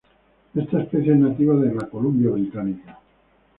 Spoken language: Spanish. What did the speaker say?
Esta especie es nativa de Columbia Británica.